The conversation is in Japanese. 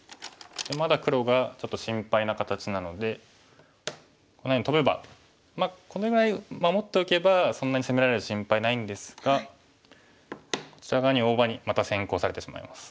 まだ黒がちょっと心配な形なのでこんなふうにトベばまあこれぐらい守っておけばそんなに攻められる心配ないんですがこちら側に大場にまた先行されてしまいます。